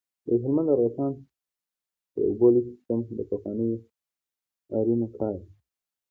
د هلمند د ارغستان د اوبو لوی سیستم د پخوانیو آرینو کار دی